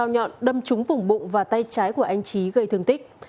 công an giao nhọn đâm trúng vùng bụng và tay trái của anh trí gây thương tích